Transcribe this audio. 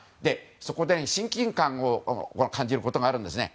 そして親近感を感じることがあるんですね。